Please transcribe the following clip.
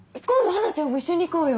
華ちゃんも一緒に行こうよ！